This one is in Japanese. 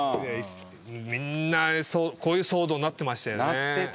みんなこういう騒動になってましたよね。